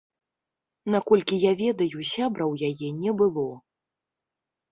Наколькі я ведаю, сябра ў яе не было.